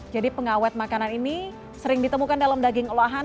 jadi pengawet makanan ini sering ditemukan dalam daging olahan